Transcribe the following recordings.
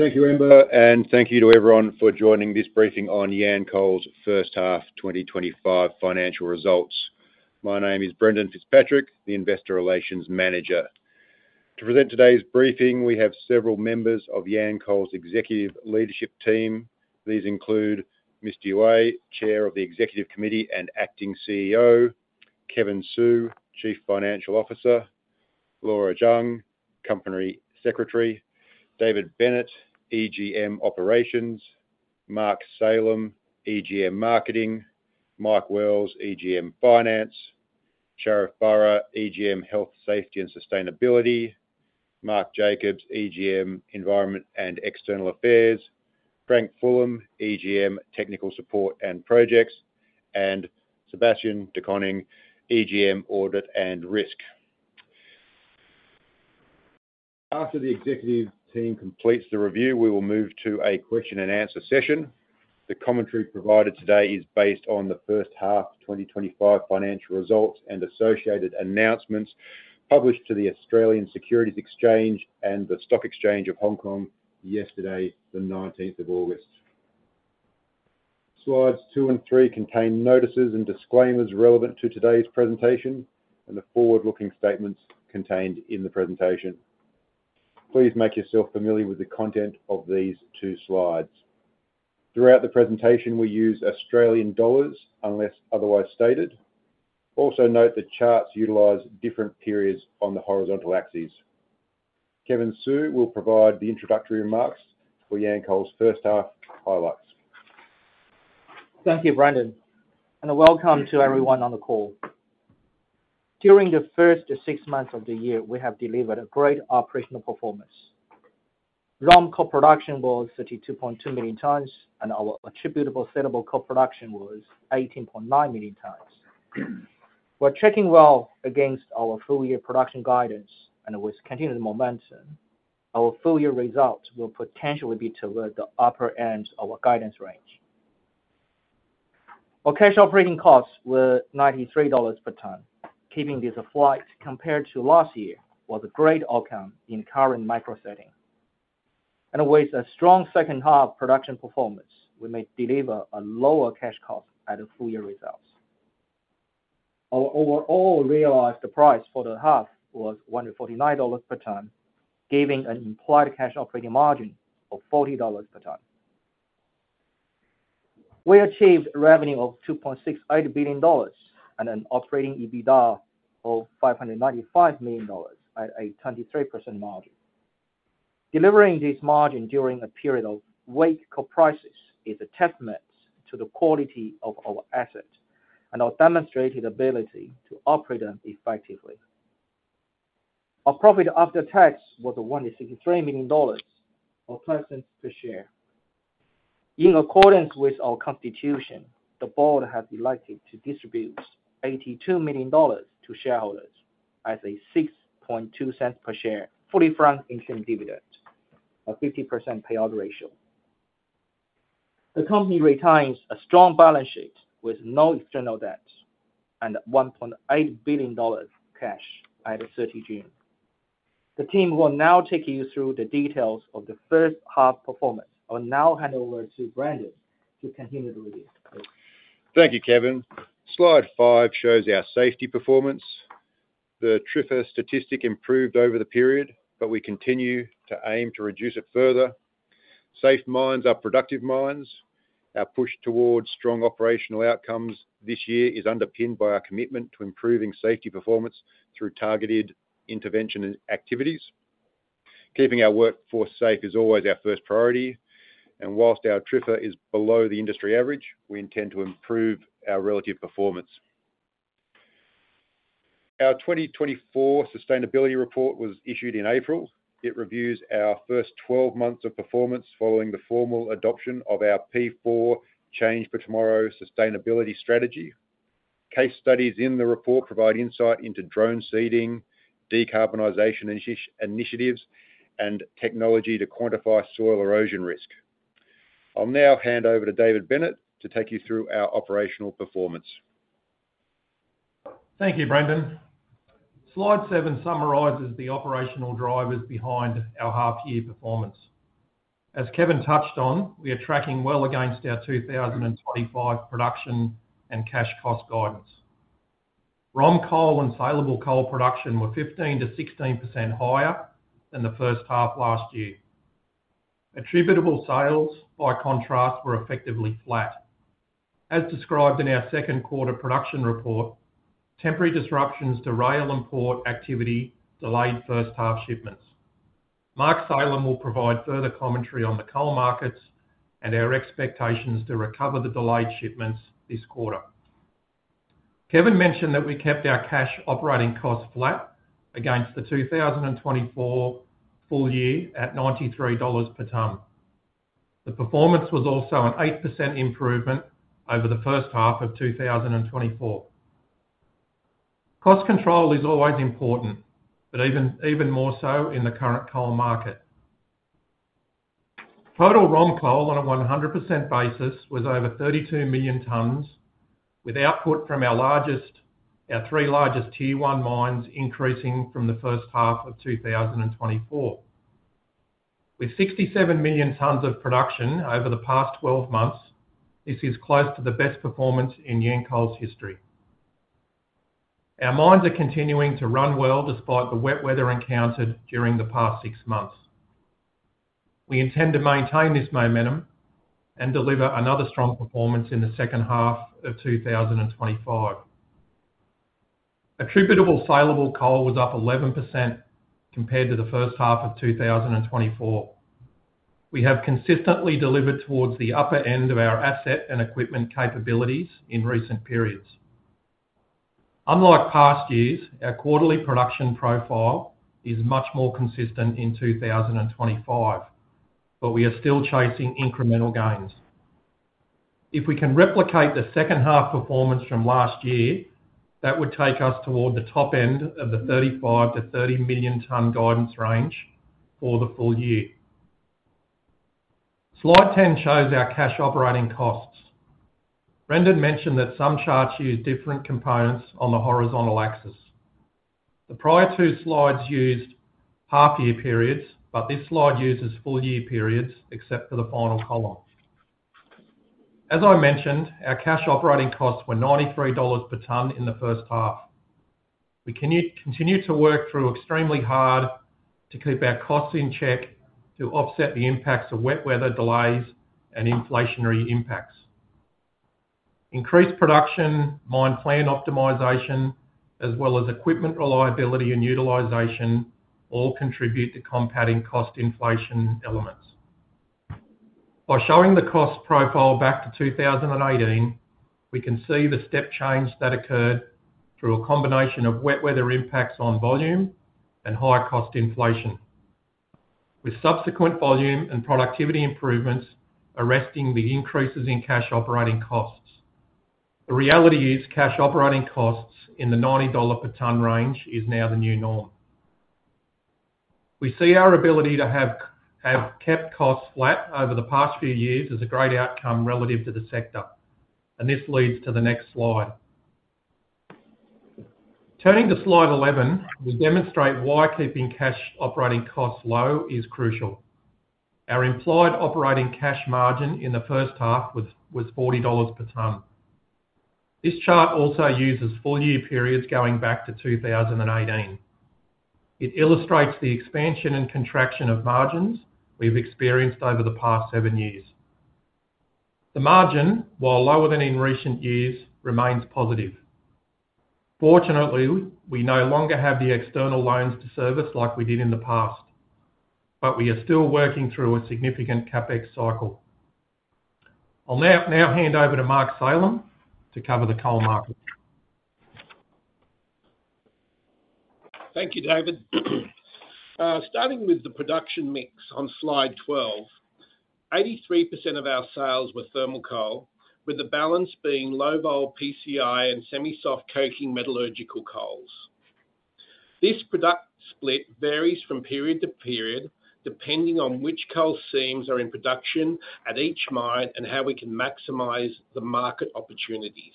Thank you, Amber and thank you to everyone for joining this briefing on Yancoal's First Half 2025 Financial Results. My name is Brendan Fitzpatrick, the Investor Relations Manager. To present today's briefing, we have several members of Yancoal's executive leadership team. These include Mr. Yue, Chair of the Executive Committee and Acting CEO, Kevin Su, Chief Financial Officer, Laura Zhang, Company Secretary, David Bennett, EGM Operations, Mark Salem, EGM Marketing, Mike Wells, EGM Finance, Sharif Burra, EGM Health, Safety, and Sustainability, Mark Jacobs, EGM Environment and External Affairs, Frank Fulham, EGM Technical Support and Projects, and Sebastian De Koning, EGM Audit and Risk. After the executive team completes the review, we will move to a question-and-answer session. The commentary provided today is based on the first half 2025 financial results, and associated announcements published to the Australian Securities Exchange and the Stock Exchange of Hong Kong yesterday, the 19th of August. Slides two and three contain notices and disclaimers relevant to today's presentation and the forward-looking statements contained in the presentation. Please make yourself familiar with the content of these two slides. Throughout the presentation, we'll use Australian dollars, unless otherwise stated. Also note that charts utilize different periods on the horizontal axes. Kevin Su will provide the introductory remarks for Yancoal's first half highlights. Thank you, Brendan, and welcome to everyone on the call. During the first six months of the year, we have delivered a great operational performance. ROM coal production was 32.2 million t, and our attributable saleable coal production was 18.9 million t. We're tracking well against our full-year production guidance, and with continued momentum, our full-year results will potentially be toward the upper end of our guidance range. Our cash operating costs were $93 per ton, keeping this flat compared to last year was a great outcome in the current macro setting. With a strong second-half production performance, we may deliver a lower cash cost at the full-year results. Our overall realized price for the half was $149 per ton, giving an implied cash operating margin of $40 per ton. We achieved a revenue of $2.68 billion, and an operating EBITDA of $595 million at a 23% margin. Delivering this margin during a period of weak coal prices is a testament to the quality of our assets, and our demonstrated ability to operate them effectively. Our profit after tax was $163 million or $0.12 per share. In accordance with our constitution, the board has elected to distribute $82 million to shareholders as a $0.62 per share fully franked interim dividend, a 50% payout ratio. The company retains a strong balance sheet with no external debt, and $1.8 billion cash as of 30th June. The team will now take you through the details of the first half performance. I will now hand over to Brendan to continue the review. Thank you, Kevin. Slide 5 shows our safety performance. The TRIFA statistic improved over the period, but we continue to aim to reduce it further. Safe mines are productive mines. Our push towards strong operational outcomes this year is underpinned by our commitment to improving safety performance through targeted intervention and activities. Keeping our workforce safe is always our first priority, and whilst our TRIFA is below the industry average, we intend to improve our relative performance. Our 2024 sustainability report was issued in April. It reviews our first 12 months of performance, following the formal adoption of our P4 Change for Tomorrow Sustainability Strategy. Case studies in the report provide insight into drone seeding, decarbonization initiatives, and technology to quantify soil erosion risk. I'll now hand over to David Bennett to take you through our operational performance. Thank you, Brendan. Slide 7 summarizes the operational drivers behind our half-year performance. As Kevin touched on, we are tracking well against our 2025 production and cash cost guidance. ROM coal and saleable coal production were 15%-16% higher than the first half last year. Attributable sales by contrast were effectively flat. As described in our second quarter production report, temporary disruptions to rail import activity delayed first-half shipments. Mark Salem will provide further commentary on the coal markets, and our expectations to recover the delayed shipments this quarter. Kevin mentioned that we kept our cash operating costs flat against the 2024 full year at $93 per ton. The performance was also an 8% improvement over the first half of 2024. Cost control is always important, even more so in the current coal market. Total ROM coal on a 100% basis was over 32 million tons, with output from our three largest tier 1 mines increasing from the first half of 2024. With 67 million tons of production over the past 12 months, this is close to the best performance in Yancoal's history. Our mines are continuing to run well despite the wet weather encountered during the past six months. We intend to maintain this momentum, and deliver another strong performance in the second half of 2025. Attributable saleable coal was up 11% compared to the first half of 2024. We have consistently delivered towards the upper end of our asset and equipment capabilities in recent periods. Unlike past years, our quarterly production profile is much more consistent in 2025, but we are still chasing incremental gains. If we can replicate the second half performance from last year, that would take us toward the top end of the 35 million-30 million t guidance range for the full year. Slide 10 shows our cash operating costs. Brendan mentioned that some charts use different components on the horizontal axis. The prior two slides used half-year periods, but this slide uses full-year periods, except for the final column. As I mentioned, our cash operating costs were $93 per ton in the first half. We continue to work extremely hard to keep our costs in check, to offset the impacts of wet weather delays and inflationary impacts. Increased production, mine plan optimization, as well as equipment reliability and utilization all contribute to compounding cost inflation elements. By showing the cost profile back to 2018, we can see the step change that occurred through a combination of wet weather impacts on volume and high cost inflation, with subsequent volume and productivity improvements arresting the increases in cash operating costs. The reality is, cash operating costs in the $90 per ton range is now the new norm. We see our ability to have kept costs flat over the past few years as a great outcome relative to the sector, and this leads to the next slide. Turning to slide 11, we demonstrate why keeping cash operating costs low is crucial. Our employed operating cash margin in the first half was $40 per ton. This chart also uses full-year periods going back to 2018. It illustrates the expansion and contraction of margins we've experienced over the past seven years. The margin, while lower than in recent years, remains positive. Fortunately, we no longer have the external loans to service like we did in the past, but we are still working through a significant CapEx cycle. I'll now hand over to Mark Salem to cover the coal market. Thank you, David. Starting with the production mix on slide 12, 83% of our sales were thermal coal, with the balance being low vol PCI and semi-soft coking metallurgical coals. This product split varies from period to period, depending on which coal seams are in production at each mine and how we can maximize the market opportunities.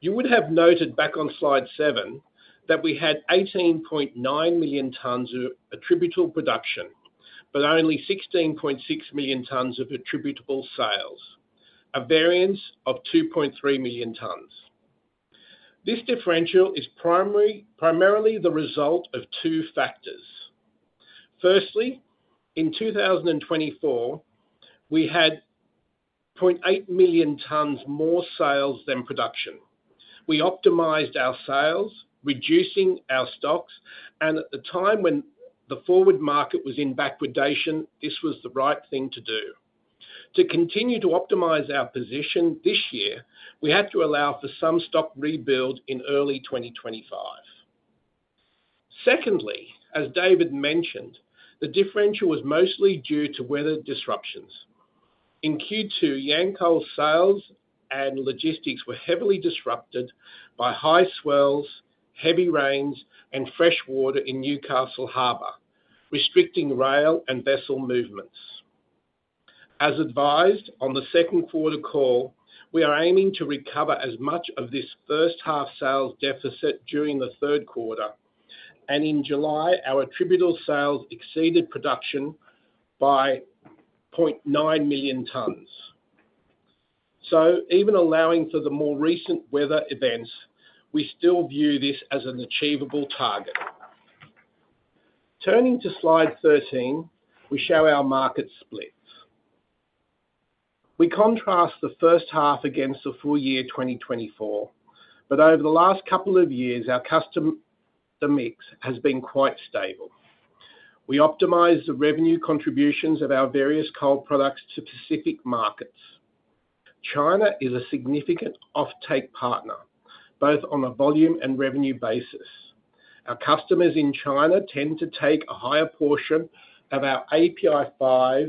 You would have noted back on slide 7 that we had 18.9 million t of attributable production, but only 16.6 million t of attributable sales, a variance of 2.3 million t. This differential is primarily the result of two factors. Firstly, in 2024, we had 0.8 million t more sales than production. We optimized our sales, reducing our stocks,. At the time when the forward market was in backwardation, this was the right thing to do. To continue to optimize our position this year, we had to allow for some stock rebuild in early 2025. Secondly, as David mentioned, the differential was mostly due to weather disruptions. In Q2, Yancoal's sales and logistics were heavily disrupted by high swells, heavy rains, and fresh water in Newcastle Harbour, restricting rail and vessel movements. As advised on the second quarter call, we are aiming to recover as much of this first-half sales deficit during the third quarter. In July, our attributable sales exceeded production by 0.9 million t. Even allowing for the more recent weather events, we still view this as an achievable target. Turning to slide 13, we show our market split. We contrast the first half against the full year 2024, but over the last couple of years, our customer mix has been quite stable. We optimize the revenue contributions of our various coal products to specific markets. China is a significant off-take partner, both on a volume and revenue basis. Our customers in China tend to take a higher portion of our API 5,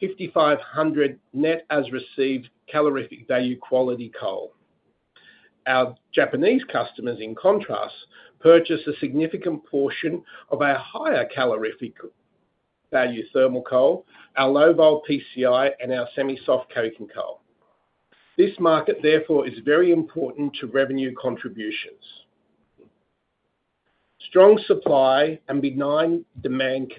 5500 net as received calorific value quality coal. Our Japanese customers in contrast, purchase a significant portion of our higher calorific value thermal coal, our low vol PCI and our semi-soft coking coal. This market therefore, is very important to revenue contributions. Strong supply and benign demand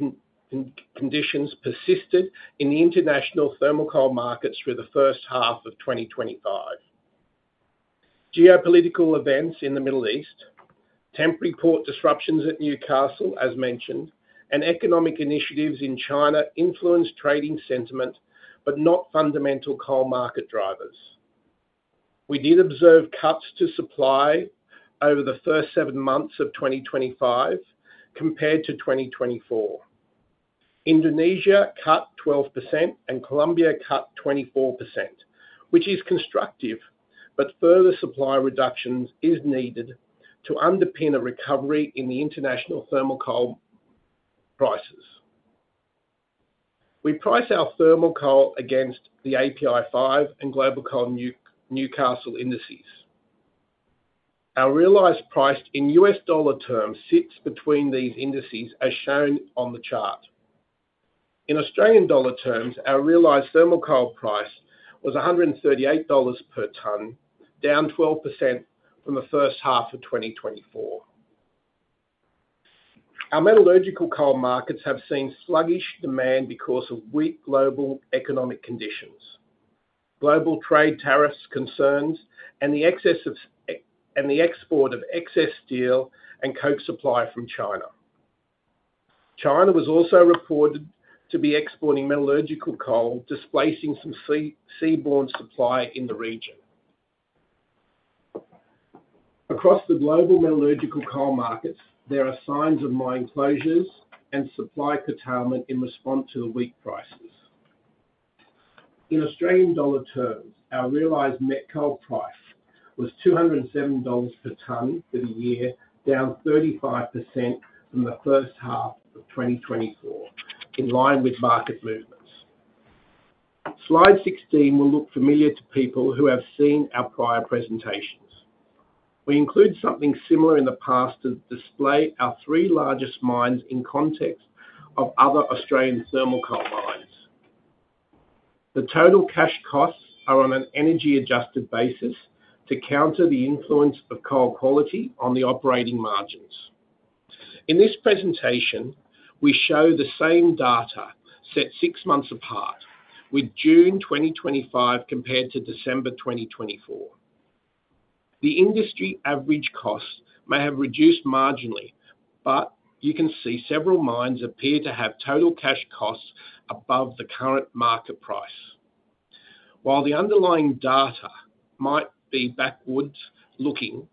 conditions persisted in the international thermal coal markets for the first half of 2025. Geopolitical events in the Middle East, temporary port disruptions at Newcastle, as mentioned and economic initiatives in China influenced trading sentiment, but not fundamental coal market drivers. We did observe cuts to supply over the first seven months of 2025 compared to 2024. Indonesia cut 12% and Colombia cut 24%, which is constructive, but further supply reductions are needed to underpin a recovery in the international thermal coal prices. We price our thermal coal against the API 5 and Global Coal Newcastle indices. Our realized price in U.S. dollar terms sits between these indices as shown on the chart. In Australian dollar terms, our realized thermal coal price was $138 per ton, down 12% from the first half of 2024. Our metallurgical coal markets have seen sluggish demand because of weak global economic conditions, global trade tariffs concerns, and the export of excess steel and coke supply from China. China was also reported to be exporting metallurgical coal, displacing some seaborne supply in the region. Across the global metallurgical coal markets, there are signs of mine closures and supply curtailment in response to weak prices. In Australian dollar terms, our realized net coal price was $207 per ton for the year, down 35% from the first half of 2024, in line with market movements. Slide 16 will look familiar to people who have seen our prior presentations. We include something similar in the past, to display our three largest mines in context of other Australian thermal coal mines. The total cash costs are on an energy-adjusted basis, to counter the influence of coal quality on the operating margins. In this presentation, we show the same data set six months apart, with June 2025 compared to December 2024. The industry average costs may have reduced marginally, but you can see several mines appear to have total cash costs above the current market price. While the underlying data might be backwards looking,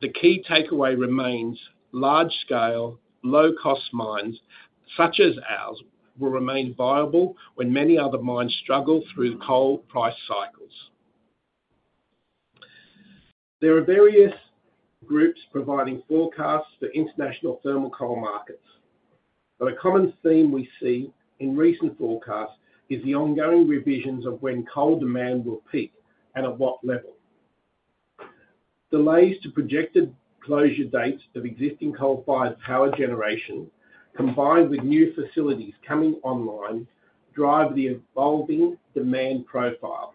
the key takeaway remains large-scale, low-cost mines such as ours will remain viable when many other mines struggle through coal price cycles. There are various groups providing forecasts for international thermal coal markets, but a common theme we see in recent forecasts is the ongoing revisions of when coal demand will peak and at what level. Delays to projected closure dates of existing coal-fired power generation, combined with new facilities coming online, drive the evolving demand profile.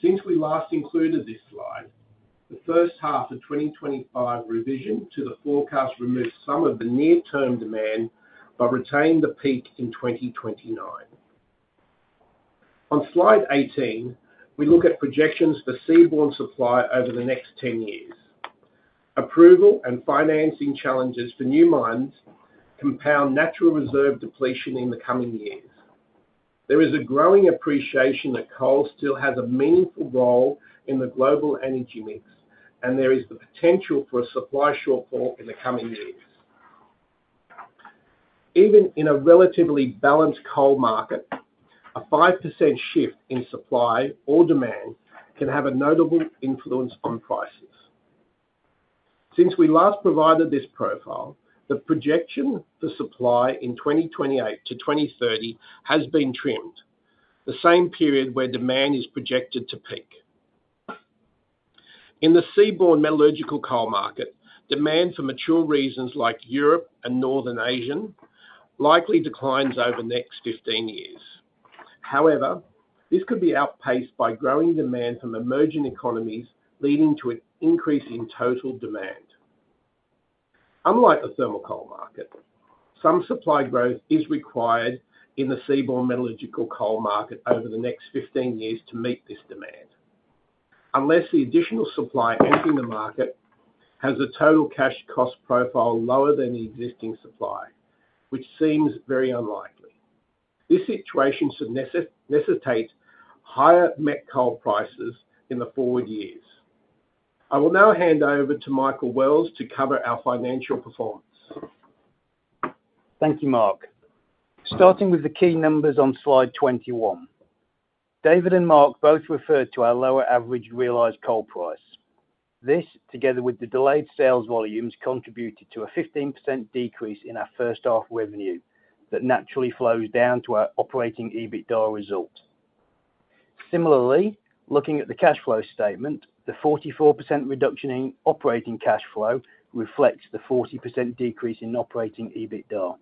Since we last included this slide, the first half of 2025 revision to the forecast removes some of the near-term demand, but retains the peak in 2029. On slide 18, we look at projections for the seaborne supply over the next 10 years. Approval and financing challenges for new mines compound natural reserve depletion in the coming years. There is a growing appreciation that coal still has a meaningful role in the global energy mix, and there is the potential for a supply shortfall in the coming year. Even in a relatively balanced coal market, a 5% shift in supply or demand can have a notable influence on prices. Since we last provided this profile, the projection for supply in 2028-2030 has been trimmed, the same period where demand is projected to peak. In the seaborne metallurgical coal market, demand for mature regions like Europe and Northern Asia likely declines over the next 15 years. However, this could be outpaced by growing demand from emerging economies, leading to an increase in total demand. Unlike the thermal coal market, some supply growth is required in the seaborne metallurgical coal market over the next 15 years to meet this demand, unless the additional supply entering the market has a total cash cost profile lower than the existing supply, which seems very unlikely. This situation should necessitate higher net coal prices in the forward years. I will now hand over to Mike Wells to cover our financial performance. Thank you, Mark. Starting with the key numbers on slide 21, David and Mark both referred to our lower average realized coal price. This, together with the delayed sales volumes, contributed to a 15% decrease in our first-half revenue, that naturally flows down to our operating EBITDA result. Similarly, looking at the cash flow statement, the 44% reduction in operating cash flow reflects the 40% decrease in operating EBITDA.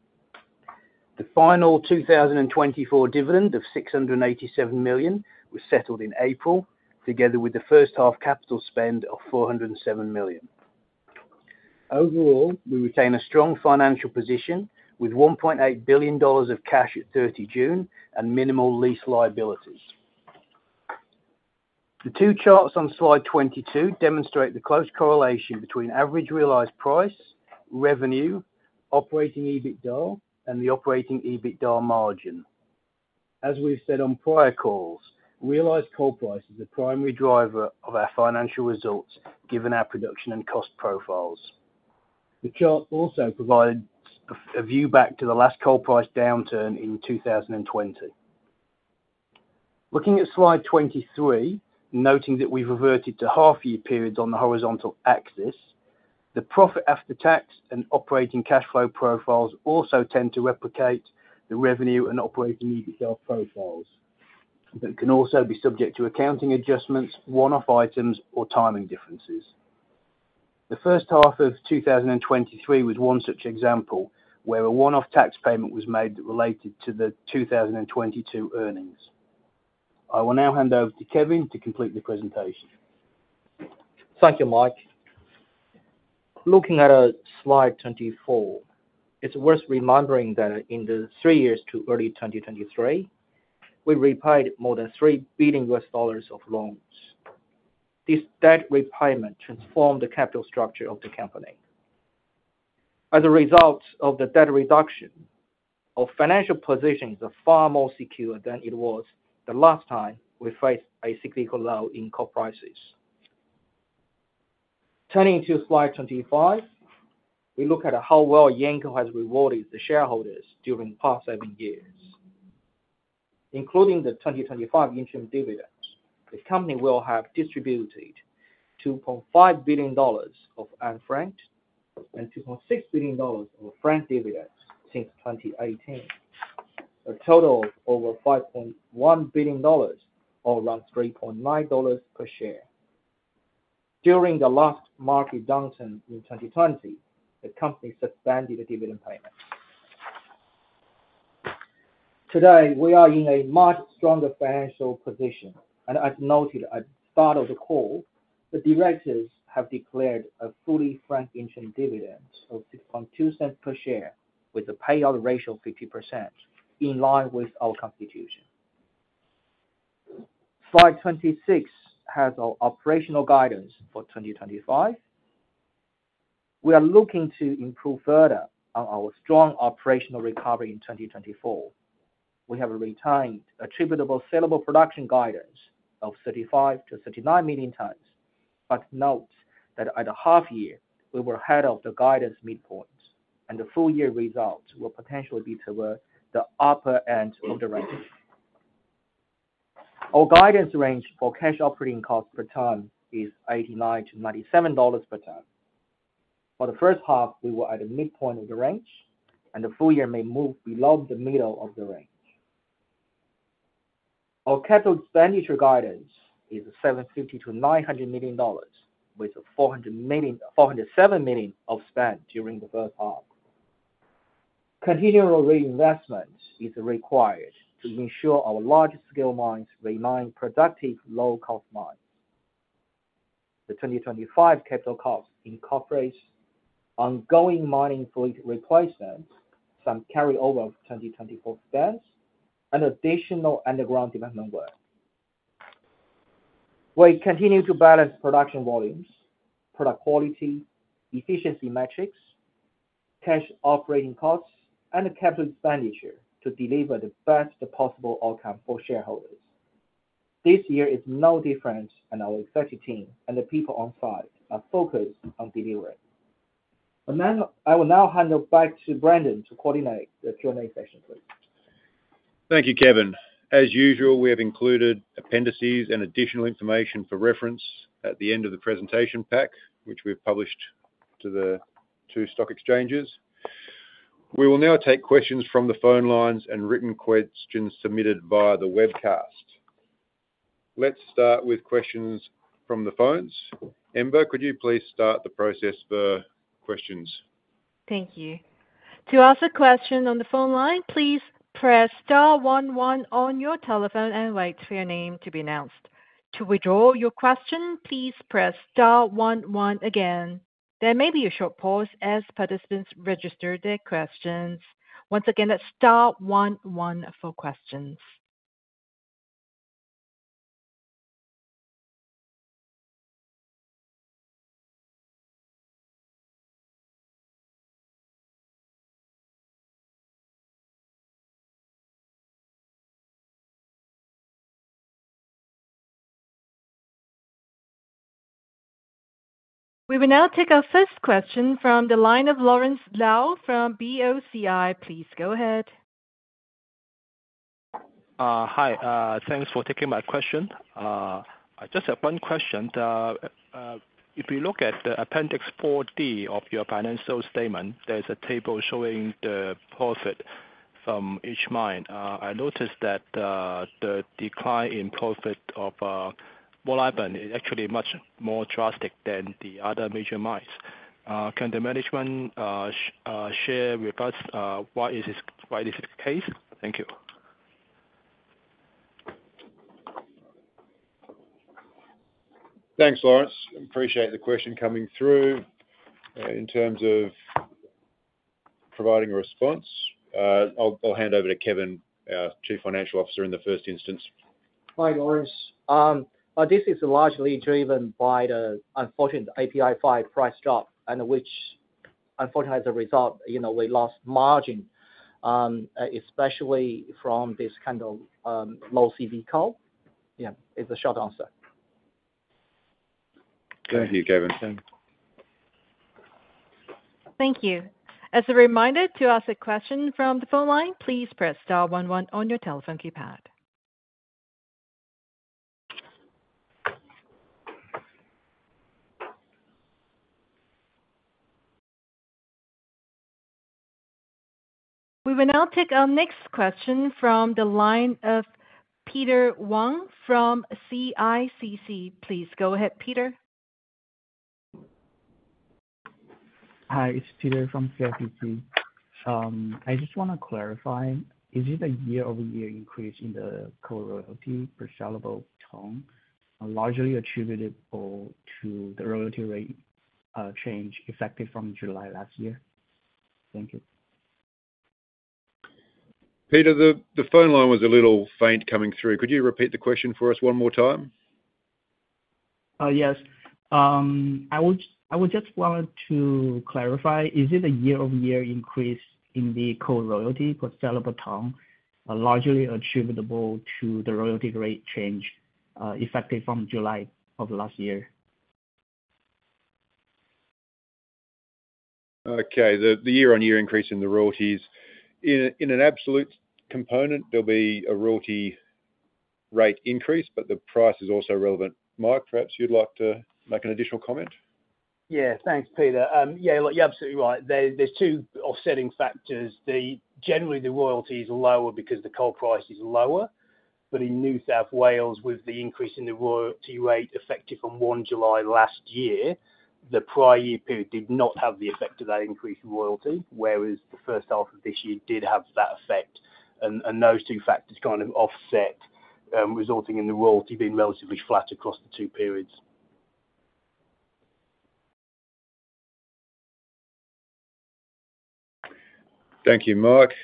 The final 2024 dividend of $687 million was settled in April, together with the first half capital spend of $407 million. Overall, we retain a strong financial position, with $1.8 billion of cash at 30 June and minimal lease liabilities. The two charts on slide 22 demonstrate the close correlation between average realized price, revenue, operating EBITDA, and the operating EBITDA margin. As we've said on prior calls, realized coal price is the primary driver of our financial results, given our production and cost profiles. The chart also provides a view back to the last coal price downturn in 2020. Looking at slide 23, noting that we've reverted to half-year periods on the horizontal axis, the profit after tax and operating cash flow profiles also tend to replicate the revenue and operating EBITDA profiles, but can also be subject to accounting adjustments, one-off items, or timing differences. The first half of 2023 was one such example, where a one-off tax payment was made that related to the 2022 earnings. I will now hand over to Kevin to complete the presentation. Thank you, Mike. Looking at our slide 24, it's worth remembering that in the three years to early 2023, we repaid more than $3 billion of loans. This debt repayment transformed the capital structure of the company. As a result of the debt reduction, our financial positions are far more secure than it was the last time we faced a cyclical low in coal prices. Turning to slide 25, we look at how well Yancoal has rewarded the shareholders during the past seven years. Including the 2025 interim dividends, the company will have distributed $2.5 billion of unfranked and $2.6 billion of franked dividends since 2018, a total of over $5.1 billion or around $3.9 per share. During the last market downturn in 2020, the company suspended the dividend payment. Today, we are in a much stronger financial position. As noted at the start of the call, the directors have declared a fully franked interim dividend of $0.20 per share, with a payout ratio of 50%, in line with our constitution. Slide 26 has our operational guidance for 2025. We are looking to improve further on our strong operational recovery in 2024. We have a retained attributable saleable production guidance of 35 million-39 million, but note that at a half-year, we were ahead of the guidance midpoint and the full-year results will potentially be toward the upper end of the range. Our guidance range for cash operating cost per ton is $89-$97 per ton. For the first half, we were at the midpoint of the range and the full year may move below the middle of the range. Our capital expenditure guidance is $750 million-$900 million, with $407 million of spend during the first half. Continual reinvestments are required to ensure our large-scale mines remain productive low-cost mines. The 2025 capital costs incorporate ongoing mining fleet replacement, some carryover of 2024 bands, and additional underground development work. We continue to balance production volumes, product quality, efficiency metrics, cash operating costs, and the capital expenditure to deliver the best possible outcome for shareholders. This year is no different, and our executive team and the people on site are focused on delivering. I will now hand it back to Brendan to coordinate the Q&A session, please. Thank you, Kevin. As usual, we have included appendices and additional information for reference at the end of the presentation pack, which we've published to the two stock exchanges. We will now take questions from the phone lines and written questions submitted by the webcast. Let's start with questions from the phones. Amber, could you please start the process for questions? Thank you. To ask a question on the phone line, please press star, one, one on your telephone and wait for your name to be announced. To withdraw your question, please press star, one, one again. There may be a short pause as participants register their questions. Once again, that's star, one, one for questions. We will now take our first question from the line of Lawrence Lau from BOCI. Please go ahead. Hi. Thanks for taking my question. I just have one question. If you look at the appendix 4D of your financial statement, there's a table showing the profit from each mine. I noticed that the decline in profit of Moolarben is actually much more drastic than the other major mines. Can the management share with us, why is this the case? Thank you. Thanks, Lawrence. I appreciate the question coming through. In terms of providing a response, I'll hand over to Kevin, our Chief Financial Officer, in the first instance. Hi, Lawrence. This is largely driven by the unfortunate API 5 price drop, which unfortunately, as a result, you know, we lost margin, especially from this kind of low CV coal. Yeah, is the short answer. Thank you, Kevin. Thank you. As a reminder, to ask a question from the phone line, please press star one, one on your telephone keypad. We will now take our next question from the line of Peter Wang from CICC. Please go ahead, Peter. Hi, it's Peter from CICC. I just want to clarify, is it a year-over-year increase in the coal royalty per saleable ton, largely attributable to the royalty rate change effective from July last year? Thank you. Peter, the phone line was a little faint coming through. Could you repeat the question for us one more time? Yes. I would just want to clarify, is it a year-over-year increase in the coal royalty per saleable ton, largely attributable to the royalty rate change effective from July of last year? Okay, the year-on-year increase in the royalties. In an absolute component, there'll be a royalty rate increase, but the price is also relevant. Mark, perhaps you'd like to make an additional comment? Yeah. Thanks, Peter. Yeah, you're absolutely right. There's two offsetting factors. Generally, the royalties are lower because the coal price is lower. In New South Wales, with the increase in the royalty rate effective on 1 July last year, the prior year period did not have the effect of that increase in royalty, whereas the first half of this year did have that effect. Those two factors kind of offset, resulting in the royalty being relatively flat across the two periods. Thank you, Mark.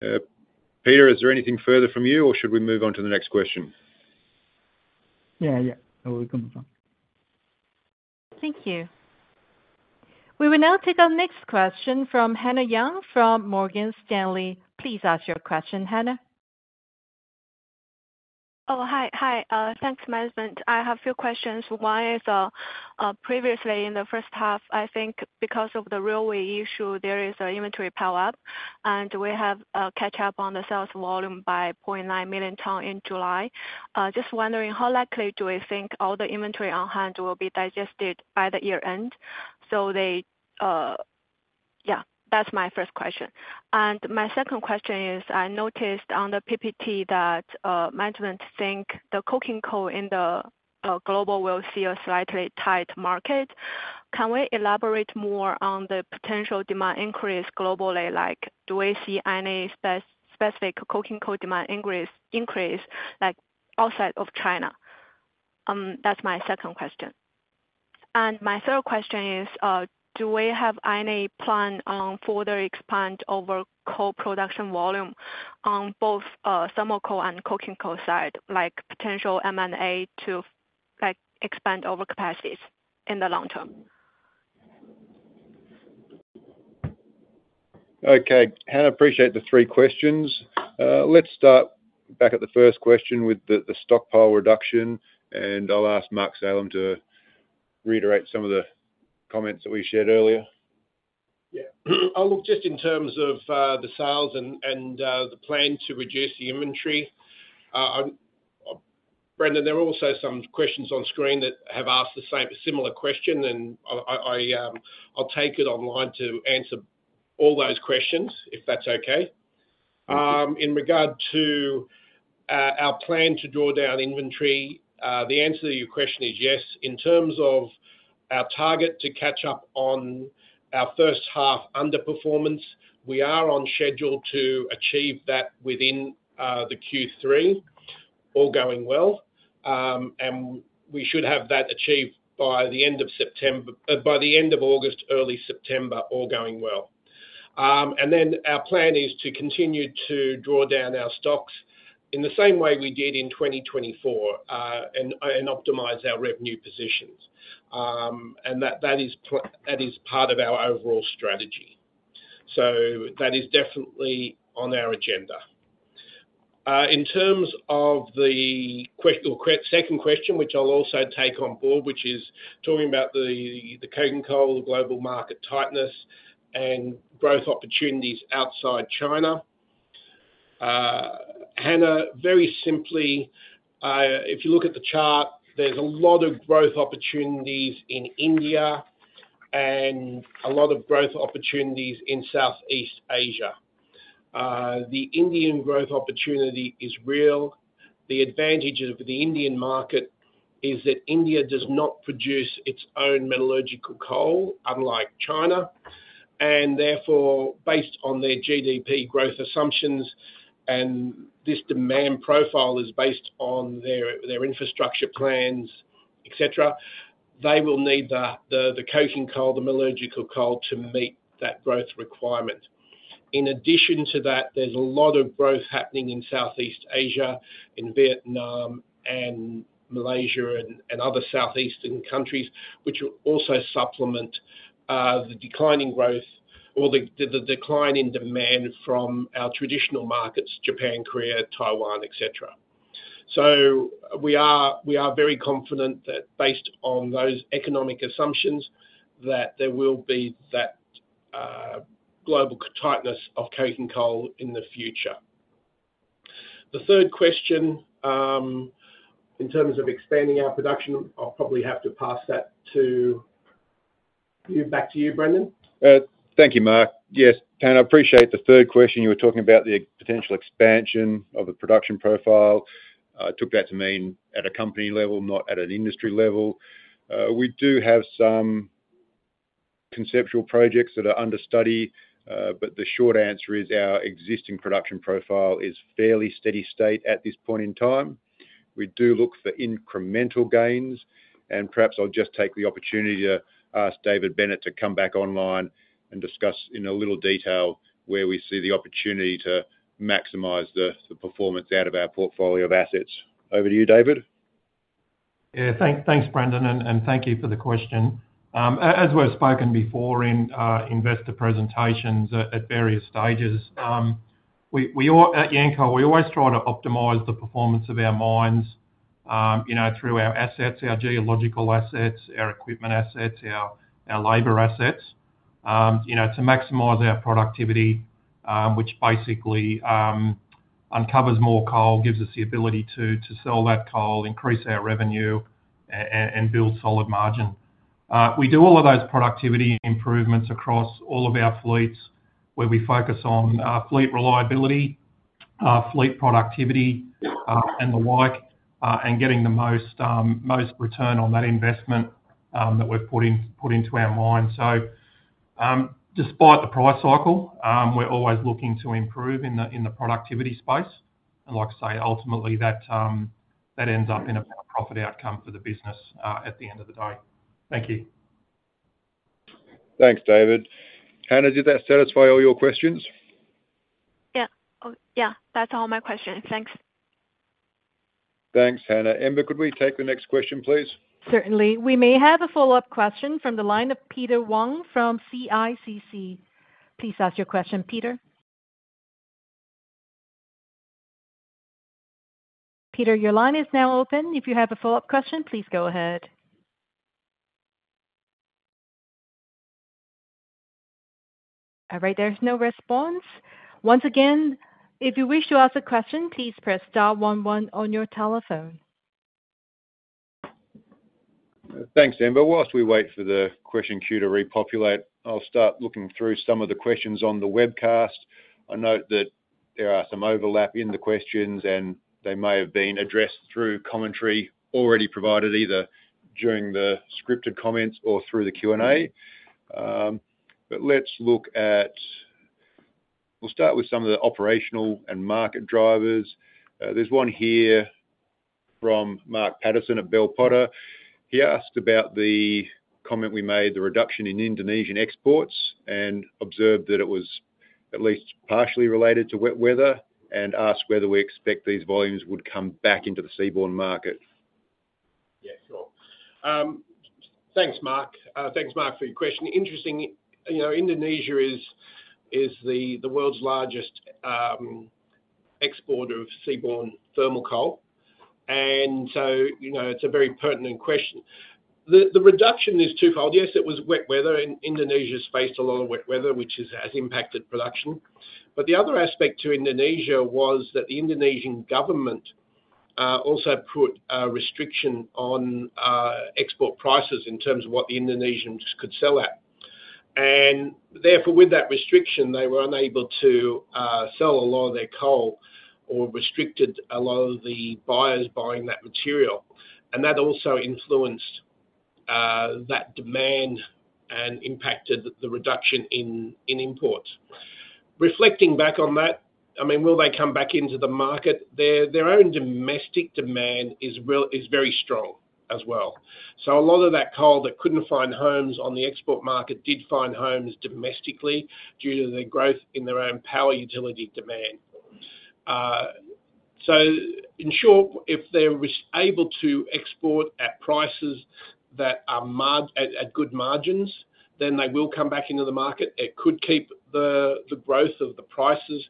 Peter, is there anything further from you, or should we move on to the next question? Yeah, we can move on. Thank you. We will now take our next question from Hannah Young from Morgan Stanley. Please ask your question, Hannah. Hi. Thanks, management. I have a few questions. One is, previously in the first half, I think because of the railway issue, there is an inventory power-up, and we have a catch-up on the sales volume by 0.9 million t in July. Just wondering, how likely do we think all the inventory on hand will be digested by the year-end? That's my first question. My second question is, I noticed on the PPT that management thinks the coking coal in the global will see a slightly tight market. Can we elaborate more on the potential demand increase globally? Like, do we see any specific coking coal demand increase outside of China? That's my second question. My third question is, do we have any plan on further expanding over coal production volume on both thermal coal and coking coal side, like potential M&A to expand over capacities in the long term? Okay. Hannah, I appreciate the three questions. Let's start back at the first question with the stockpile reduction, and I'll ask Mark Salem to reiterate some of the comments that we shared earlier. Yeah. I'll look just in terms of the sales and the plan to reduce the inventory. Brendan, there are also some questions on screen that have asked the similar question, and I'll take it online to answer all those questions if that's okay. In regard to our plan to draw down inventory, the answer to your question is yes. In terms of our target to catch up on our first-half underperformance, we are on schedule to achieve that within Q3, all going well. We should have that achieved by the end of August, early September, all going well. Our plan is to continue to draw down our stocks in the same way we did in 2024, and optimize our revenue positions. That is part of our overall strategy. That is definitely on our agenda. In terms of the second question, which I'll also take on board, which is talking about the coking coal, the global market tightness, and growth opportunities outside China, Hannah, very simply, if you look at the chart, there's a lot of growth opportunities in India and a lot of growth opportunities in Southeast Asia. The Indian growth opportunity is real. The advantage of the Indian market is that India does not produce its own metallurgical coal, unlike China. Therefore, based on their GDP growth assumptions, and this demand profile is based on their infrastructure plans, etc., they will need the coking coal, the metallurgical coal to meet that growth requirement. In addition to that, there's a lot of growth happening in Southeast Asia, in Vietnam, and Malaysia, and other Southeastern countries, which will also supplement the declining growth or the decline in demand from our traditional markets, Japan, Korea, Taiwan, etc. We are very confident that based on those economic assumptions, that there will be that global tightness of coking coal in the future. The third question, in terms of expanding our production, I'll probably have to pass that back to you, Brendan. Thank you, Mark. Yes, Hannah, I appreciate the third question. You were talking about the potential expansion of the production profile. I took that to mean at a company level, not at an industry level. We do have some conceptual projects that are under study, but the short answer is our existing production profile is fairly steady-state at this point in time. We do look for incremental gains, and perhaps I'll just take the opportunity to ask David Bennett to come back online and discuss in a little detail, where we see the opportunity to maximize the performance out of our portfolio of assets. Over to you, David. Yeah, thanks, Brendan and thank you for the question. As we've spoken before in investor presentations at various stages, at Yancoal, we always try to optimize the performance of our mines through our assets, our geological assets, our equipment assets, our labor assets to maximize our productivity, which basically uncovers more coal, gives us the ability to sell that coal, increase our revenue and build solid margin. We do all of those productivity improvements across all of our fleets, where we focus on fleet reliability, fleet productivity and the like, and getting the most return on that investment that we've put into our mines. Despite the price cycle, we're always looking to improve in the productivity space. Like I say, ultimately, that ends up in a profit outcome for the business at the end of the day. Thank you. Thanks, David. Hannah, did that satisfy all your questions? Yeah, that's all my questions. Thanks. Thanks, Hannah. Amber, could we take the next question, please? Certainly. We may have a follow-up question from the line of Peter Wang from CICC. Please ask your question, Peter. Peter, your line is now open. If you have a follow-up question, please go ahead. All right, there's no response. Once again, if you wish to ask a question, please press star, one, one on your telephone. Thanks, Amber. Whilst we wait for the question queue to repopulate, I'll start looking through some of the questions on the webcast. I note that there are some overlaps in the questions and they may have been addressed through commentary already provided either during the scripted comments or through the Q&A. We'll start with some of the operational and market drivers. There's one here from Mark Paterson at Bell Potter. He asked about the comment we made, the reduction in Indonesian exports, and observed that it was at least partially related to wet weather, and asked whether we expect these volumes would come back into the seaborne market. Yeah, sure. Thanks, Mark, for your question. Interesting, you know, Indonesia is the world's largest exporter of seaborne thermal coal, and so it's a very pertinent question. The reduction is twofold. Yes, it was wet weather, and Indonesia has faced a lot of wet weather, which has impacted production. The other aspect to Indonesia was that the Indonesian government, also put a restriction on export prices in terms of what the Indonesians could sell out. Therefore, with that restriction, they were unable to sell a lot of their coal or restricted a lot of the buyers buying that material. That also influenced that demand, and impacted the reduction in imports. Reflecting back on that, I mean, will they come back into the market? Their own domestic demand is very strong as well. A lot of that coal that couldn't find homes on the export market did find homes domestically due to the growth in their own power utility demand. In short, if they're able to export at prices that are at good margins, then they will come back into the market. It could keep the growth of the prices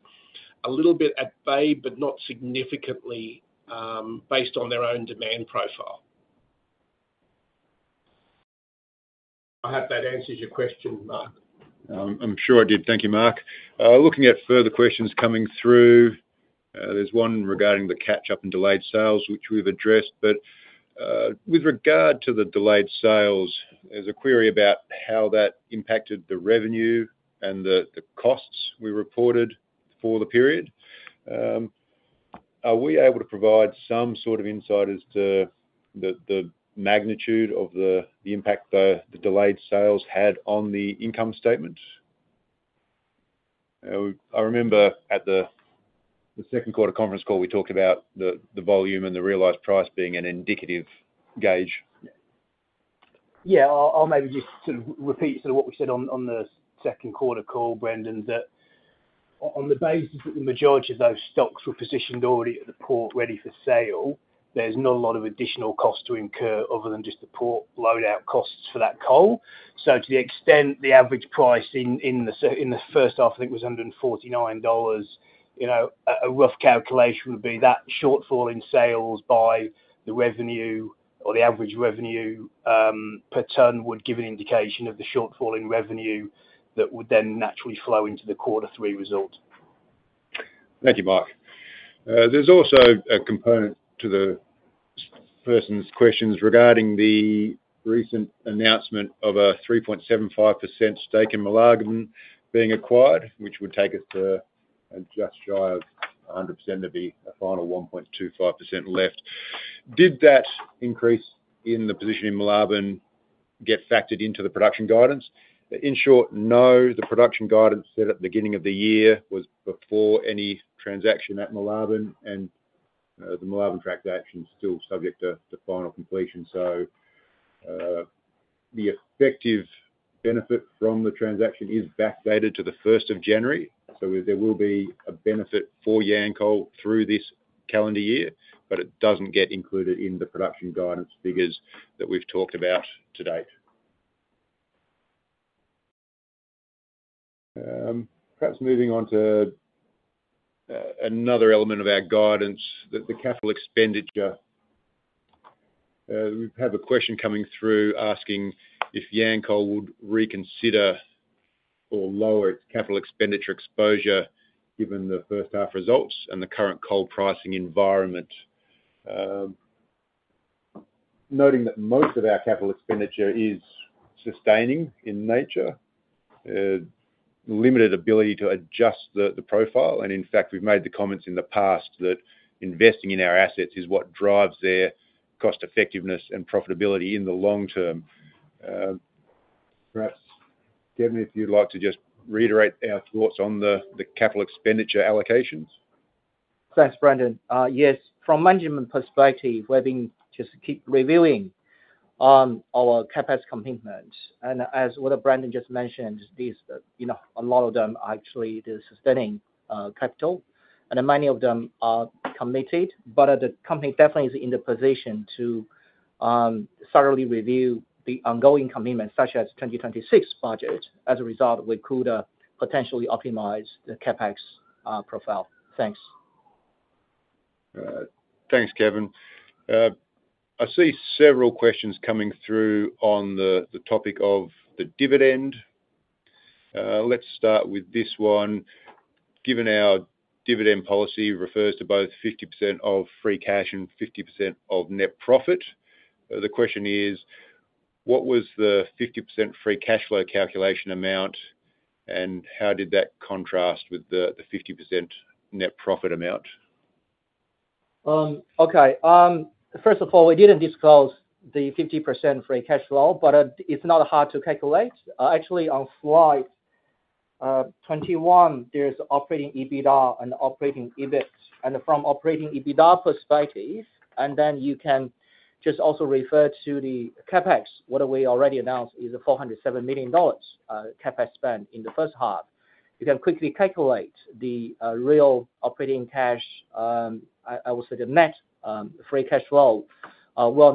a little bit at bay, but not significantly, based on their own demand profile. I hope that answers your question, Mark. I'm sure it did. Thank you, Mark. Looking at further questions coming through, there's one regarding the catch-up and delayed sales, which we've addressed. With regard to the delayed sales, there's a query about how that impacted the revenue and the costs we reported for the period. Are we able to provide some sort of insight as to the magnitude of the impact the delayed sales had on the income statement? I remember at the second quarter conference call, we talked about the volume and the realized price being an indicative gauge. Yeah, I'll maybe just sort of repeat what we said on the second quarter call, Brendan, that on the basis that the majority of those stocks were positioned already at the port ready for sale, there's not a lot of additional cost to incur other than just the port loadout costs for that coal. To the extent the average price in the first half, I think was $149, you know, a rough calculation would be that shortfall in sales by the revenue or the average revenue per ton would give an indication of the shortfall in revenue, that would then naturally flow into the quarter three result. Thank you, Mark. There's also a component to the person's questions regarding the recent announcement of a 3.75% stake in Moolarben being acquired, which would take us from just shy of 100% to be a final 1.25% left. Did that increase in the position in Moolarben get factored into the production guidance? In short, no, the production guidance set at the beginning of the year was before any transaction at Moolarben, and the Moolarben transaction is still subject to final completion. The effective benefit from the transaction is backdated to January 1. There will be a benefit for Yancoal through this calendar year, but it doesn't get included in the production guidance figures that we've talked about to date. Perhaps moving on to another element of our guidance, the capital expenditure. We have a question coming through, asking if Yancoal would reconsider or lower its capital expenditure exposure, given the first half results and the current coal pricing environment. Noting that most of our capital expenditure is sustaining in nature, the limited ability to adjust the profile, and in fact we've made the comments in the past, that investing in our assets is what drives their cost effectiveness and profitability in the long term. Perhaps, Kevin, if you'd like to just reiterate our thoughts on the capital expenditure allocations. Thanks, Brendan. Yes, from a management perspective, we've been just keep reviewing our CapEx commitment. As Brendan just mentioned is this, that a lot of them actually do sustaining capital and many of them are committed, but that the company definitely is in the position to thoroughly review the ongoing commitments, such as the 2026 budget. As a result, we could potentially optimize the CapEx profile. Thanks. Thanks, Kevin. I see several questions coming through on the topic of the dividend. Let's start with this one. Given our dividend policy refers to both 50% of free cash and 50% of net profit, the question is, what was the 50% free cash flow calculation amount, and how did that contrast with the 50% net profit amount? Okay. First of all, we didn't disclose the 50% free cash flow, but it's not hard to calculate. Actually, on slide 21, there's operating EBITDA and operating EBIT. From operating EBITDA perspectives, you can just also refer to the CapEx. What we already announced is a $407 million CapEx spend in the first half. You can quickly calculate the real operating cash. I will say the net free cash flow is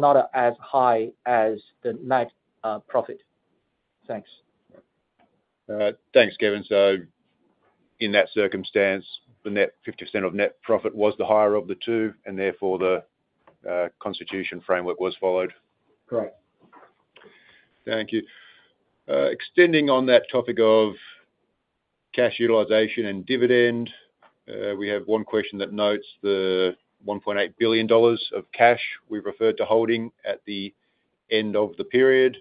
not as high as the net profit. Thanks. Thanks, Kevin. In that circumstance, the 50% of net profit was the higher of the two, and therefore the constitution framework was followed. Correct. Thank you. Extending on that topic of cash utilization and dividend, we have one question that notes the $1.8 billion of cash we've referred to holding at the end of the period.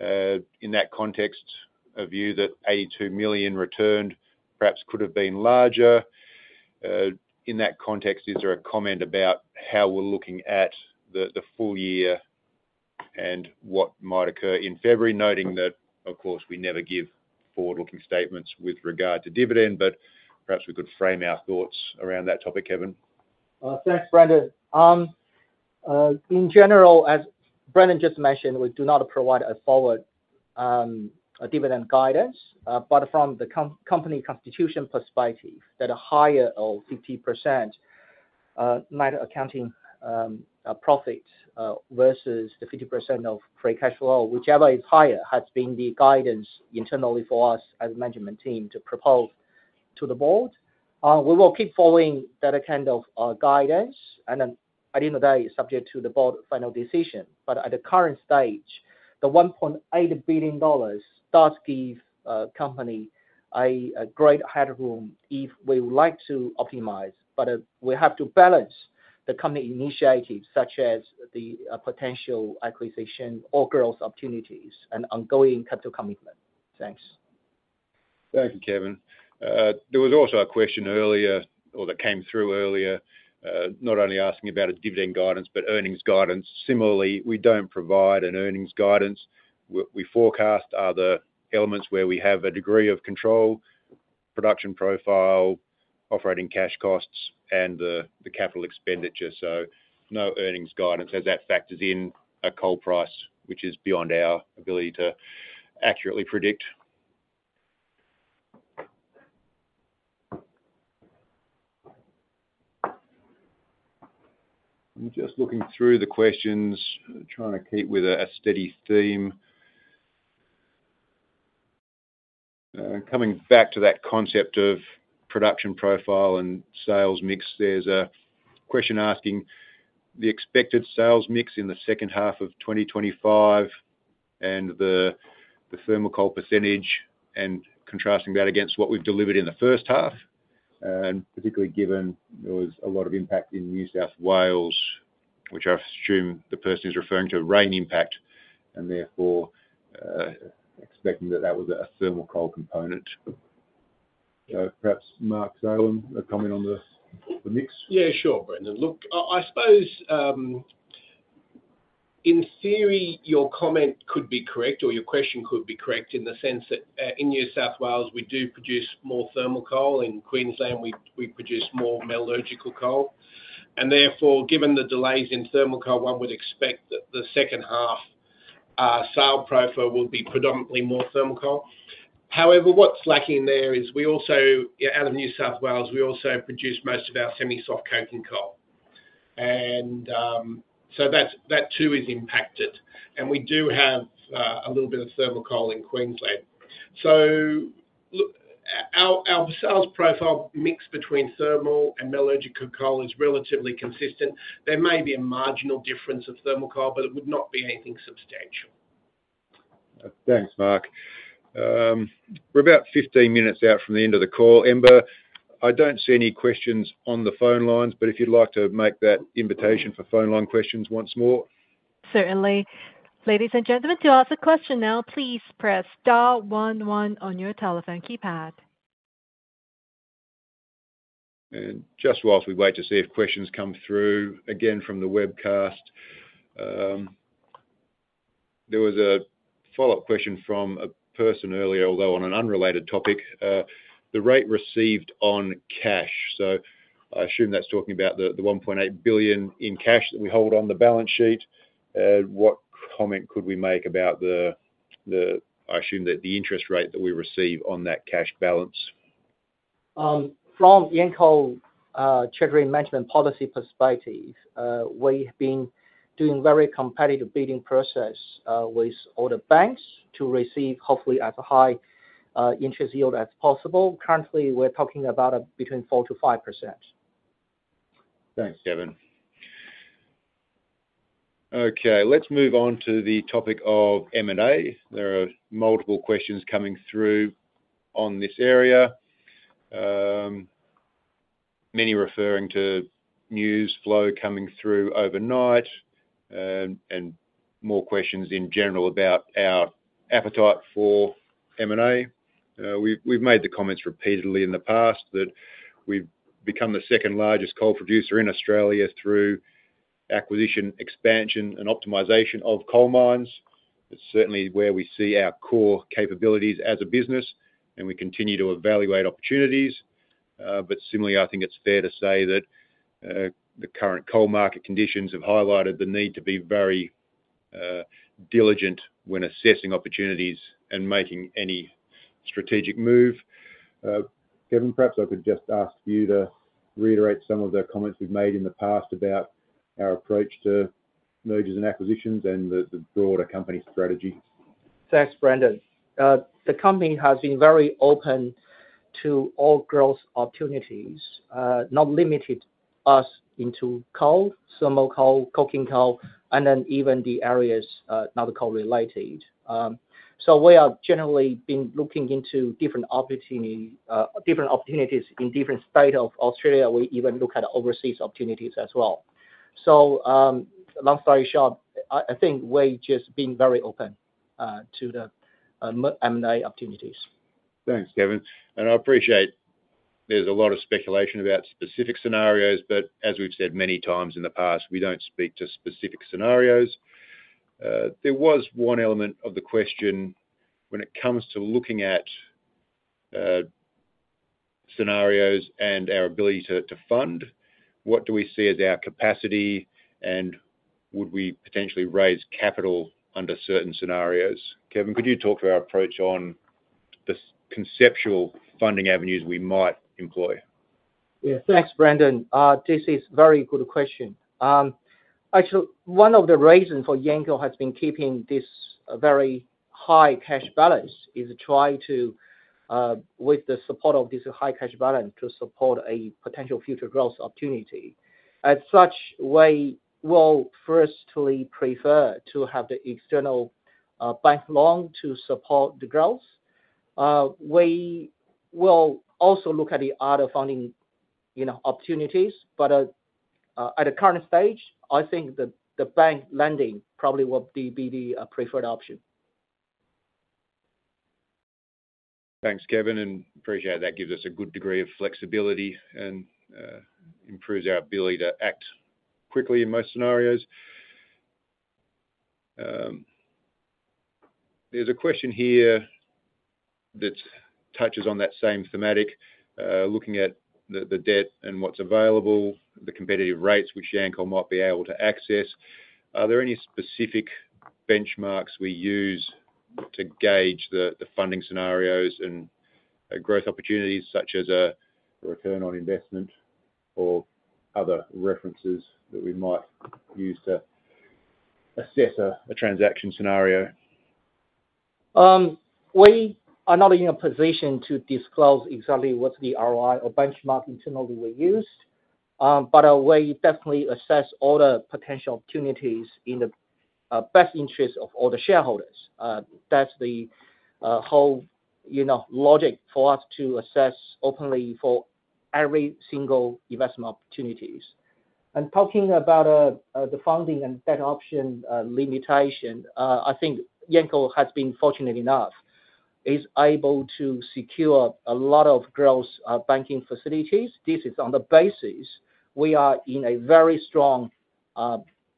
In that context, a view that $82 million returned perhaps could have been larger. In that context, is there a comment about how we're looking at the full year and what might occur in February, noting that of course we never give forward-looking statements with regard to dividend? Perhaps we could frame our thoughts around that topic, Kevin. Thanks, Brendan. In general, as Brendan just mentioned, we do not provide a forward dividend guidance, but from the company constitution perspective, that a higher of 50% net accounting profit versus the 50% of free cash flow, whichever is higher, has been the guidance internally for us as a management team to propose to the board. We will keep following that kind of guidance, and at the end of the day, it's subject to the board's final decision. At the current stage, the $1.8 billion does give the company a great headroom if we would like to optimize, but we have to balance the company initiatives, such as the potential acquisition or growth opportunities, and ongoing capital commitment. Thanks. Thank you, Kevin. There was also a question earlier, or that came through earlier, not only asking about a dividend guidance, but earnings guidance. Similarly, we don't provide an earnings guidance. We forecast other elements where we have a degree of control, production profile, operating cash costs, and the capital expenditure. No earnings guidance as that factors in a coal price, which is beyond our ability to accurately predict. We're just looking through the questions, trying to keep a steady theme. Coming back to that concept of production profile and sales mix, there's a question asking the expected sales mix in the second half of 2025 and the thermal coal percentage, and contrasting that against what we've delivered in the first half and particularly given there was a lot of impact in New South Wales, which I assume the person is referring to rain impact, and therefore expecting that that was a thermal coal component. Perhaps Mark Salem, a comment on the mix? Yeah. Sure, Brendan. Look, I suppose in theory, your comment could be correct or your question could be correct in the sense that in New South Wales, we do produce more thermal coal. In Queensland, we produce more metallurgical coal. Therefore, given the delays in thermal coal, one would expect that the second half, our sale profile will be predominantly more thermal coal. However, what's lacking there is, out of New South Wales, we also produce most of our semi-soft coking coal, and so that too is impacted. We do have a little bit of thermal coal in Queensland. Our sales profile mix between thermal and metallurgical coal is relatively consistent. There may be a marginal difference of thermal coal, but it would not be anything substantial. Thanks, Mark. We're about 15 minutes out from the end of the call. Amber, I don't see any questions on the phone lines, but if you'd like to make that invitation for phone line questions once more. Certainly. Ladies and gentlemen, to ask a question now, please press star, one, one on your telephone keypad. Just whilst we wait to see if questions come through again from the webcast, there was a follow-up question from a person earlier, although on an unrelated topic, the rate received on cash. I assume that's talking about the $1.8 billion in cash that we hold on the balance sheet. What comment could we make about, I assume that the interest rate that we receive on that cash balance? From Yancoal's Treasury Management Policy perspective, we've been doing a very competitive bidding process with all the banks, to receive hopefully as high interest yield as possible. Currently, we're talking about between 4%-5%. Thanks, Kevin. Okay, let's move on to the topic of M&A. There are multiple questions coming through on this area, many referring to news flow coming through overnight and more questions in general about our appetite for M&A. We've made the comments repeatedly in the past, that we've become the second largest coal producer in Australia through acquisition, expansion, and optimization of coal mines. It's certainly where we see our core capabilities as a business, and we continue to evaluate opportunities. Similarly, I think it's fair to say that the current coal market conditions have highlighted the need to be very diligent when assessing opportunities, and making any strategic move. Kevin, perhaps I could just ask you to reiterate some of the comments we've made in the past about our approach to mergers and acquisitions, and the broader company strategy. Thanks, Brendan. The company has been very open to all growth opportunities, not limited us into coal, thermal coal, coking coal, and then even the areas not coal-related. We have generally been looking into different opportunities in different states of Australia. We even look at overseas opportunities as well. Long story short, I think we've just been very open to the M&A opportunities. Thanks, Kevin. I appreciate there's a lot of speculation about specific scenarios, but as we've said many times in the past, we don't speak to specific scenarios. There was one element of the question when it comes to looking at scenarios, and our ability to fund. What do we see as our capacity, and would we potentially raise capital under certain scenarios? Kevin, could you talk to our approach on the conceptual funding avenues we might employ? Yeah. Thanks, Brendan. This is a very good question. Actually, one of the reasons Yancoal has been keeping this very high cash balance, is trying to, with the support of this high cash balance, to support a potential future growth opportunity. As such, we will firstly prefer to have the external bank loan to support the growth. We will also look at the other funding opportunities, but at the current stage, I think the bank lending probably will be the preferred option. Thanks, Kevin, and I appreciate. that gives us a good degree of flexibility and improves our ability to act quickly in most scenarios. There's a question here that touches on that same thematic, looking at the debt and what's available, the competitive rates which Yancoal might be able to access. Are there any specific benchmarks we use to gauge the funding scenarios and growth opportunities, such as a return on investment or other references that we might use to assess a transaction scenario? We are not in a position to disclose exactly the ROI or benchmark internally we use, but we definitely assess all the potential opportunities in the best interest of all the shareholders. That's the whole logic for us to assess openly, for every single investment opportunity. Talking about the funding and debt option limitation, I think Yancoal has been fortunate enough, it's able to secure a lot of growth banking facilities. This is on the basis, we are in a very strong,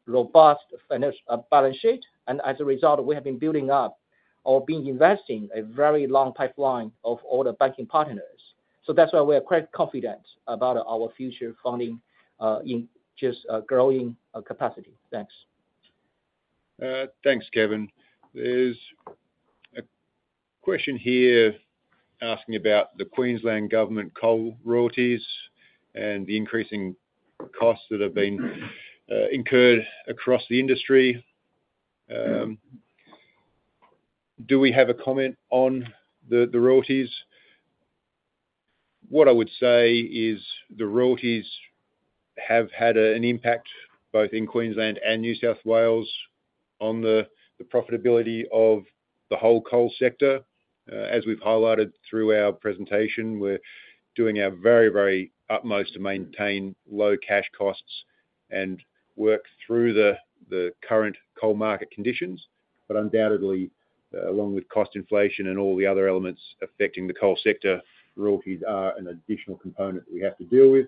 robust financial balance sheet. As a result, we have been building up or been investing in a very long pipeline of all the banking partners. That is why we are quite confident about our future funding in just growing capacity. Thanks. Thanks, Kevin. There's a question here asking about the Queensland Government coal royalties, and the increasing costs that have been incurred across the industry. Do we have a comment on the royalties? What I would say is, the royalties have had an impact both in Queensland and New South Wales, on the profitability of the whole coal sector. As we've highlighted through our presentation, we're doing our very, very utmost to maintain low cash costs and work through the current coal market conditions. Undoubtedly, along with cost inflation and all the other elements affecting the coal sector, royalties are an additional component that we have to deal with.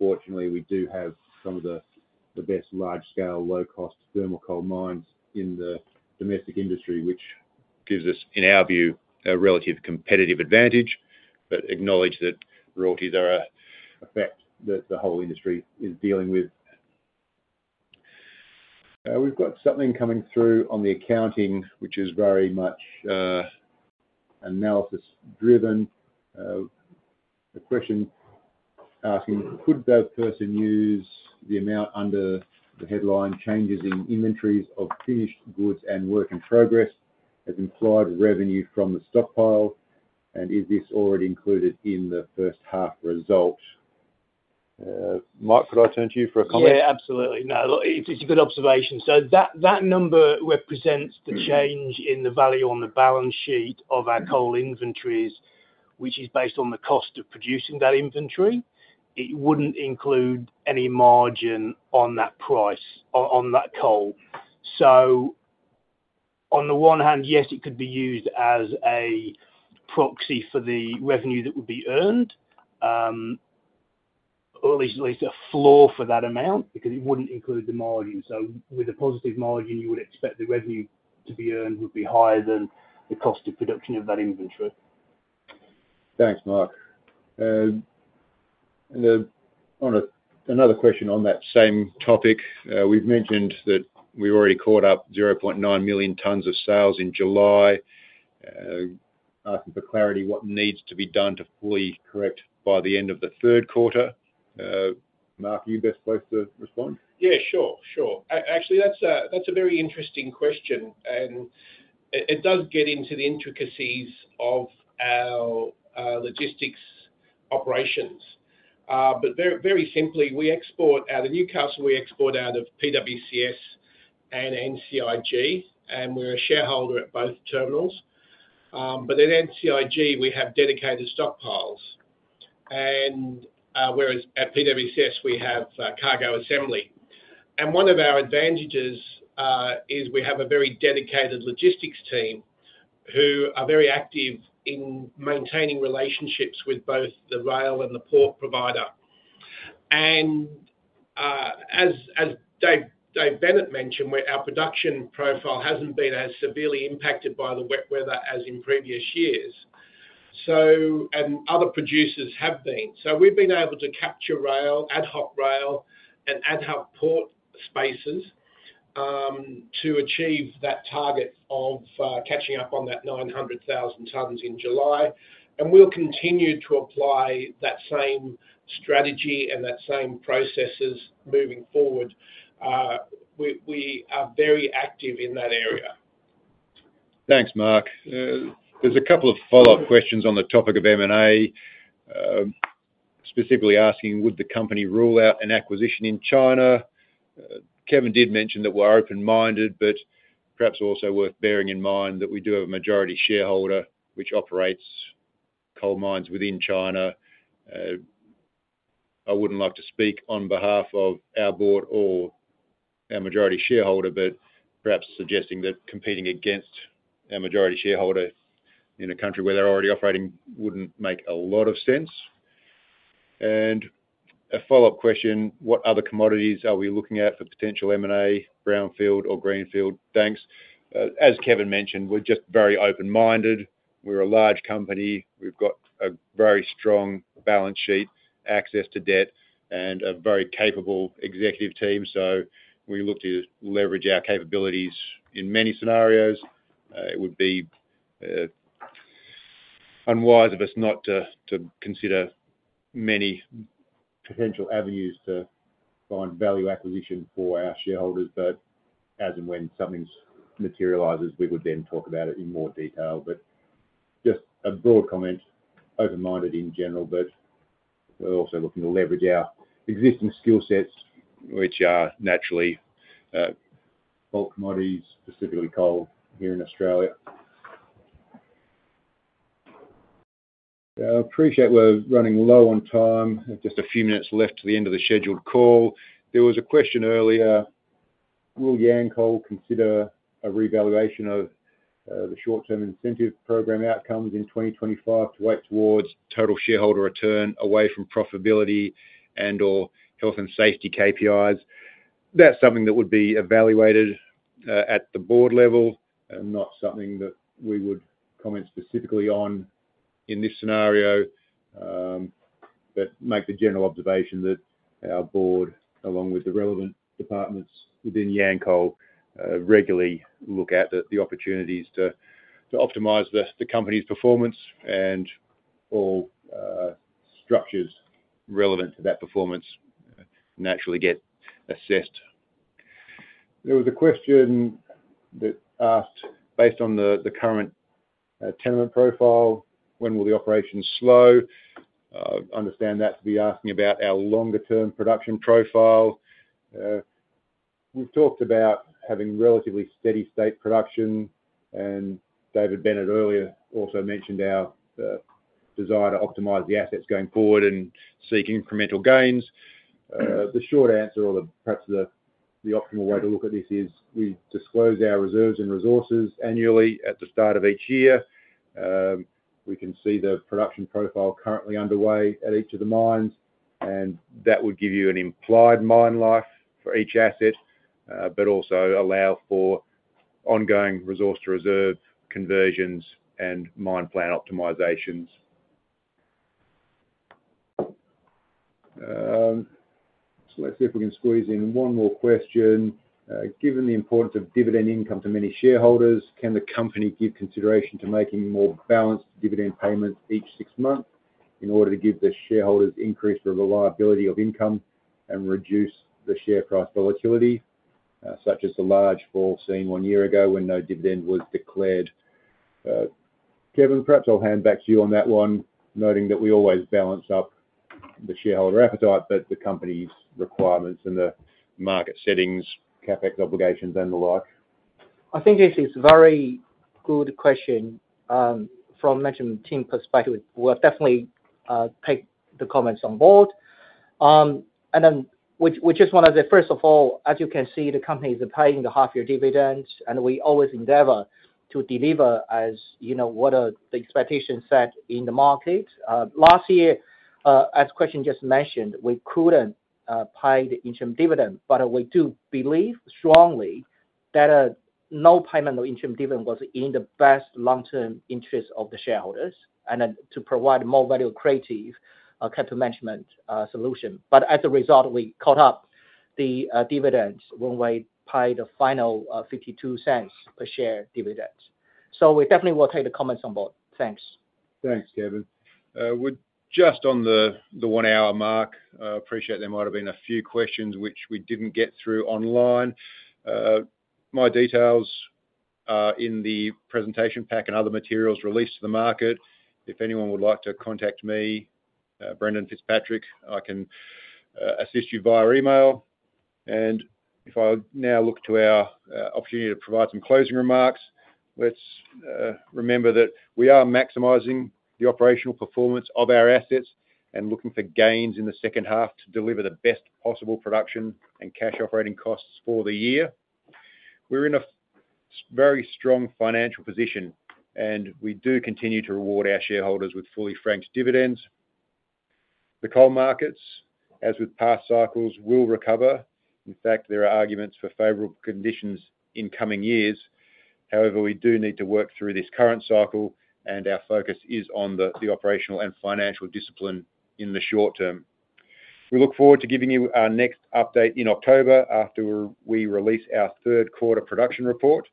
Fortunately, we do have some of the best large-scale, low-cost thermal coal mines in the domestic industry, which gives us, in our view, a relative competitive advantage, but acknowledge that royalties are a fact that the whole industry is dealing with. We've got something coming through on the accounting, which is very much analysis-driven. A question asking, could that person use the amount under the headline "Changes in Inventories of Finished Goods and Work in Progress," has implied revenue from the stockpile? Is this already included in the first half result? Mark, could I turn to you for a comment? Yeah, absolutely. It's a good observation. That number represents the change in the value on the balance sheet of our coal inventories, which is based on the cost of producing that inventory. It wouldn't include any margin on that price or on that coal. On the one hand, yes, it could be used as a proxy for the revenue that would be earned, or at least a floor for that amount, because it wouldn't include the margin. With a positive margin, you would expect the revenue to be earned would be higher than the cost of production of that inventory. Thanks, Mark. Another question on that same topic, we've mentioned that we've already caught up 0.9 million t of sales in July. Asking for clarity, what needs to be done to fully correct by the end of the third quarter? Mark, are you best placed to respond? Yeah, sure. Actually, that's a very interesting question, and it does get into the intricacies of our logistics operations. Very simply, we export out of Newcastle, we export out of PWCS and NCIG, and we're a shareholder at both terminals. At NCIG, we have dedicated stockpiles, whereas at PWCS, we have cargo assembly. One of our advantages is, we have a very dedicated logistics team who are very active in maintaining relationships with both the rail and the port provider. As David Bennett mentioned, our production profile hasn't been as severely impacted by the wet weather as in previous years, and other producers have been. We've been able to capture rail, ad hoc rail, and ad hoc port spaces to achieve that target of catching up on that 900,000 t in July. We'll continue to apply that same strategy and that same process moving forward. We are very active in that area. Thanks, Mark. There's a couple of follow-up questions on the topic of M&A, specifically asking, would the company rule out an acquisition in China? Kevin did mention that we're open-minded, but perhaps also worth bearing in mind that we do have a majority shareholder, which operates coal mines within China. I wouldn't like to speak on behalf of our board or our majority shareholder, but perhaps suggesting that competing against our majority shareholder in a country where they're already operating, wouldn't make a lot of sense. A follow-up question, what other commodities are we looking at for potential M&A, brownfield or greenfield? Thanks. As Kevin mentioned, we're just very open-minded. We're a large company. We've got a very strong balance sheet, access to debt, and a very capable executive team. We look to leverage our capabilities in many scenarios. It would be unwise of us not to consider many potential avenues to find value acquisition for our shareholders. As and when something materializes, we would then talk about it in more detail. Just a broad comment, open-minded in general, but we're also looking to leverage our existing skill sets, which are naturally coal commodities, specifically coal here in Australia. Yeah, I appreciate we're running low on time. I have just a few minutes left to the end of the scheduled call. There was a question earlier, will Yancoal consider a reevaluation of the short-term incentive program outcomes in 2025, to work towards total shareholder return away from profitability and/or health and safety KPIs? That's something that would be evaluated at the board level, and not something that we would comment specifically on in this scenario, but make the general observation that our board, along with the relevant departments within Yancoal, regularly look at the opportunities to optimize the company's performance and all structures relevant to that performance naturally get assessed. There was a question that asked, based on the current tenement profile, when will the operations slow? I understand that to be asking about our longer-term production profile. We've talked about having relatively steady state production, and David Bennett earlier also mentioned our desire to optimize the assets going forward and seek incremental gains. The short answer or perhaps the optimal way to look at this, is we disclose our reserves and resources annually at the start of each year. We can see the production profile currently underway at each of the mines, and that would give you an implied mine life for each asset, but also allow for ongoing resource-to-reserve conversions and mine plan optimizations. Let's see if we can squeeze in one more question. Given the importance of dividend income to many shareholders, can the company give consideration to making more balanced dividend payments each six months, in order to give the shareholders increased reliability of income and reduce the share price volatility, such as the large fall seen one year ago when no dividend was declared? Kevin, perhaps I'll hand back to you on that one, noting that we always balance up the shareholder appetite, the company's requirements and the market settings, CapEx obligations, and the like. I think actually it's a very good question. From the management team perspeciive, we'll definitely take the comments on board. We just want to say, first of all, as you can see, the companies are paying the half-year dividends, and we always endeavor to deliver as you know, what the expectations are set in the market. Last year, as the question just mentioned, we couldn't pay the interim dividend, but we do believe strongly that no payment of interim dividend was in the best long-term interest of the shareholders, and to provide more value-creative capital management solution. As a result, we caught up the dividends when we paid the final $0.52 per share dividends. We definitely will take the comments on board. Thanks. Thanks, Kevin. We're just on the one-hour mark. I appreciate there might have been a few questions which we didn't get through online. My details are in the presentation pack and other materials released to the market. If anyone would like to contact me, Brendan Fitzpatrick, I can assist you via email. If I now look to our opportunity to provide some closing remarks, let's remember that we are maximizing the operational performance of our assets and looking for gains in the second half, to deliver the best possible production and cash operating costs for the year. We're in a very strong financial position, and we do continue to reward our shareholders with fully franked dividends. The coal markets, as with past cycles, will recover. In fact, there are arguments for favorable conditions in coming years. However, we do need to work through this current cycle, and our focus is on the operational and financial discipline in the short term. We look forward to giving you our next update in October, after we release our third-quarter production report.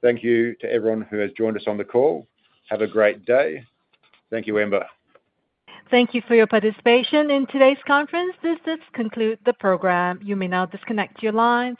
Thank you to everyone who has joined us on the call. Have a great day. Thank you, Amber. Thank you for your participation in today's conference. This does conclude the program. You may now disconnect your lines.